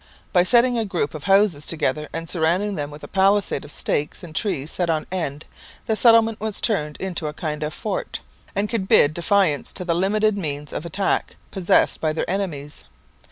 By setting a group of houses together, and surrounding them with a palisade of stakes and trees set on end, the settlement was turned into a kind of fort, and could bid defiance to the limited means of attack possessed by their enemies.